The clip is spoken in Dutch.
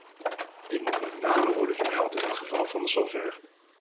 Dit moet met name worden vermeld in het geval van de software.